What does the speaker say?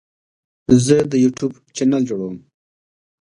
زه د یوټیوب چینل جوړوم.